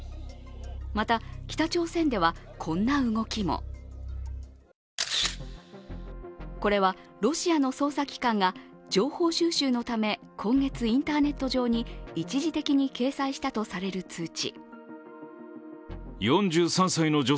また北朝鮮ではこんな動きもこれは、ロシアの捜査機関が情報収集のため今月インターネット上に一時的に掲載したとされる通知。